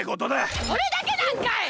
それだけなんかい！